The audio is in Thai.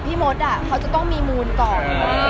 ที่หมดอ่ะเขาจะต้องมีมูลก่อน